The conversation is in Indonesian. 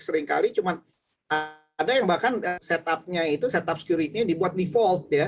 seringkali cuma ada yang bahkan set up security nya dibuat default